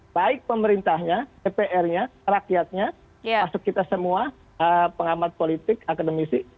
baik pemerintahnya dpr nya rakyatnya masuk kita semua pengamat politik akademisi